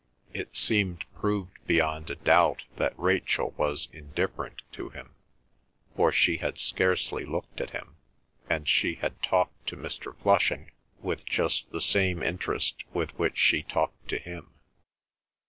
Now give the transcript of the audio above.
It seemed proved beyond a doubt that Rachel was indifferent to him, for she had scarcely looked at him, and she had talked to Mr. Flushing with just the same interest with which she talked to him.